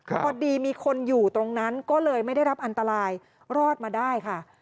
พอดีมีคนอยู่ตรงนั้นก็เลยไม่ได้รับอันตรายรอดมาได้ค่ะ